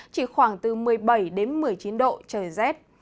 chỉ khoảng từ một mươi bảy đến một mươi chín độ trời rét